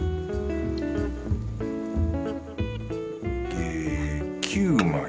え９枚。